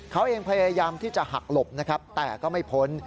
เขาเองพยายามที่จะหักหลบนะครับแต่ก็ไม่พ้น